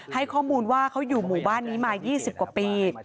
ให้ข้อมูลว่าเขาอยู่หมู่บ้านนี้มา๒๐กว่าปี